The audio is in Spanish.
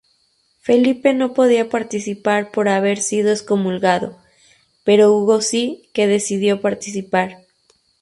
Felipe no podía participar por haber sido excomulgado, pero Hugo sí que decidió participar.